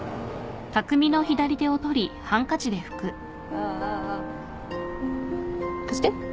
あーあー貸して。